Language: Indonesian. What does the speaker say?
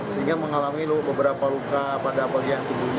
sehingga mengalami beberapa luka pada bagian tubuhnya